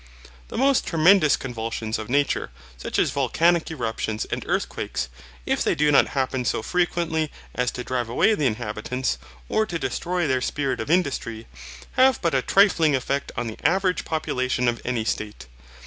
The most tremendous convulsions of nature, such as volcanic eruptions and earthquakes, if they do not happen so frequently as to drive away the inhabitants, or to destroy their spirit of industry, have but a trifling effect on the average population of any state.